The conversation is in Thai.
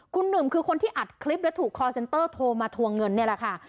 คุณหนึ่งคือคนที่อัดคลิปและถูกคอร์เซ็นเตอร์โทรมาทวงเงินนี่แหละค่ะ